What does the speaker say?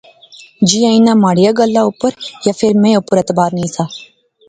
جیاں انیں مہاڑیا گلاہ اپر یا فیر میں اپر اعتبارنہسا